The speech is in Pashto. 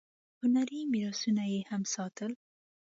هنري میراثونه یې هم ساتل.